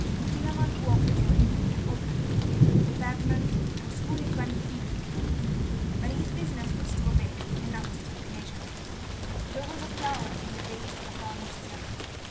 Philammon walked to it, and opened it. The pavement was fully twenty feet below; but his business was to obey, and not take measurements. There was a flower in the vase upon the sill.